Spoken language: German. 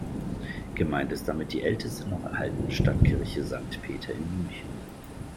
Gemeint ist damit die älteste noch erhaltene Stadtkirche Sankt Peter in München.